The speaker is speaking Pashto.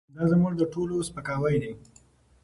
دا زموږ د ټولو سپکاوی دی.